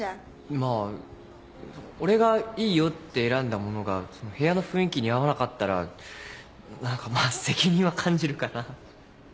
まぁ俺が「いいよ」って選んだものが部屋の雰囲気に合わなかったら何かまぁ責任は感じるかな。